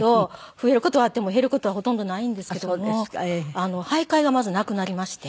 増える事はあっても減る事はほとんどないんですけども徘徊がまずなくなりまして。